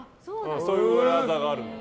そういう裏技があるんだって。